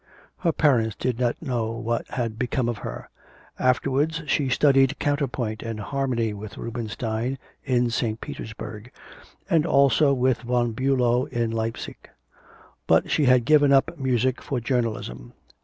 Her parents did not know what had become of her. Afterwards she studied counterpoint and harmony with Rubenstein in St. Petersburg, and also with Von Bulow in Leipsic. But she had given up music for journalism.